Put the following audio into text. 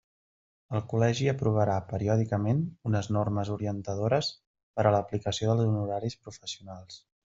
El Col·legi aprovarà periòdicament unes normes orientadores per a l'aplicació dels honoraris professionals.